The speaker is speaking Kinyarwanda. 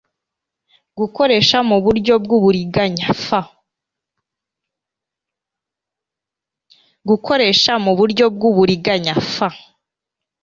gukoresha mu buryo bw uburiganya f